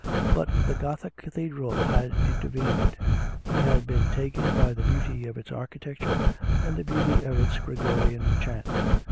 But the Gothic cathedral had intervened; he had been taken by the beauty of its architecture and the beauty of its Gregorian chant.